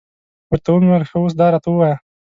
ورته ومې ویل، ښه اوس دا راته ووایه.